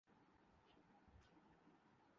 تمہیں اسکی عمر کا لحاظ رکھنا چاہیۓ تھا